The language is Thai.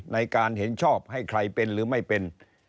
ในการเห็นชอบให้ใครเป็นหรือไม่เป็น